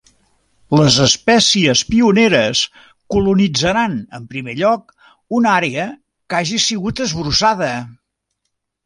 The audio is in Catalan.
Les espècies pioneres colonitzaran en primer lloc una àrea que hagi sigut esbrossada.